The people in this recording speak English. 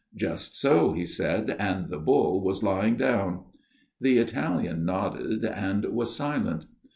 "Just so," he said, " and the bull was lying down." The Italian nodded, and was silent.